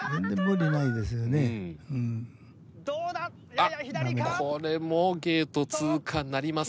あっこれもゲート通過なりません。